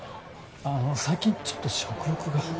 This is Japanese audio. あの最近ちょっと食欲が。